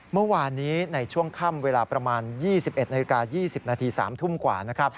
เมื่อวานนี้ในช่วงค่ำเวลาประมาณ๒๑นาฬิกา๒๐นาที๓ทุ่มกว่านะครับ